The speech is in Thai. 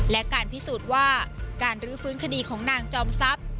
และการพิสูจน์ว่าการรื้อฟื้นคดีของนางจอมทรัพย์